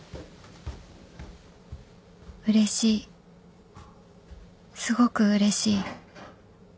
うれしいすごくうれしい